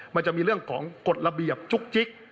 มันจะมีเรื่องของกฎระเบียบจุ๊กจิ๊ก